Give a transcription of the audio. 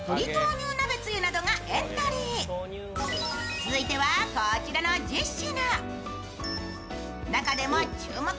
続いてはこちらの１０品。